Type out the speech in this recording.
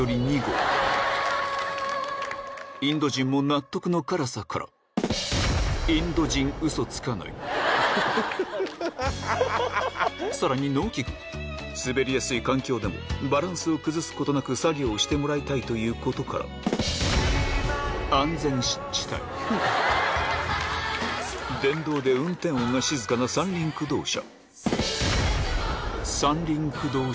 インド人も納得の辛さからさらに農機具滑りやすい環境でもバランスを崩すことなく作業をしてもらいたいということから電動で運転音が静かな三輪駆動車